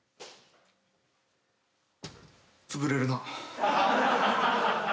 つぶれるな。